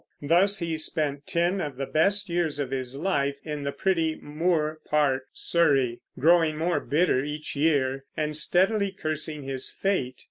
Thus he spent ten of the best years of his life in the pretty Moor Park, Surrey, growing more bitter each year and steadily cursing his fate.